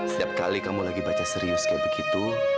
setiap kali kamu lagi baca serius kayak begitu